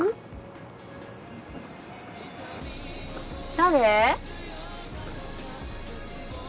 誰？